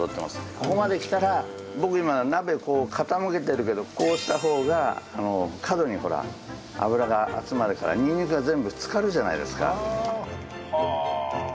ここまできたら僕今鍋を傾けてるけどこうした方が角に油が集まるからにんにくが全部漬かるじゃないですか。はあ。